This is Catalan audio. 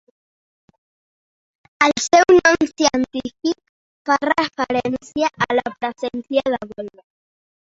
El seu nom científic fa referència a la presència de volva.